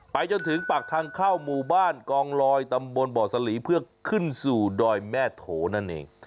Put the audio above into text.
จนถึงปากทางเข้าหมู่บ้านกองลอยตำบลบ่อสลีเพื่อขึ้นสู่ดอยแม่โถนั่นเอง